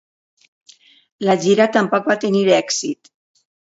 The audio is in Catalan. La gira tampoc va tenir èxit.